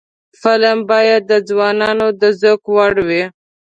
فلم باید د ځوانانو د ذوق وړ وي